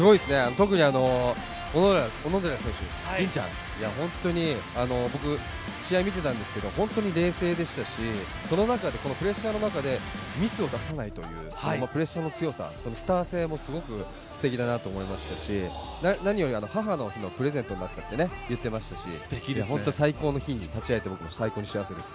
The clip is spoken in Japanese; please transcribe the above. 特に小野寺選手、本当に僕、試合に見てたんですけど、本当に冷静でしたし、この中でプレッシャーの中でミスを出さないというプレッシャーの強さ、スター性もすごくステキだなと思いましたし、何より母の日のプレゼントになったって言ってましたし、最高の日に立ち会えて最高に幸せです。